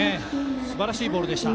すばらしいボールでした。